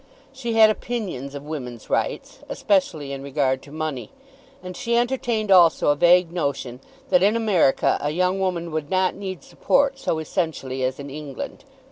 She had opinions of women's rights, especially in regard to money; and she entertained also a vague notion that in America a young woman would not need support so essentially as in England.